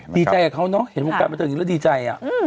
ดีใจกับเขาเนอะเห็นวงการมาตรงนี้แล้วดีใจ